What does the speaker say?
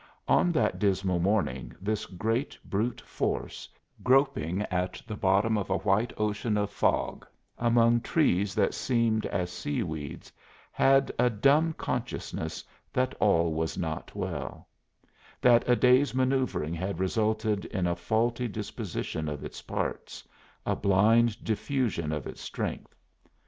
On that dismal morning this great brute force, groping at the bottom of a white ocean of fog among trees that seemed as sea weeds, had a dumb consciousness that all was not well; that a day's manoeuvring had resulted in a faulty disposition of its parts, a blind diffusion of its strength.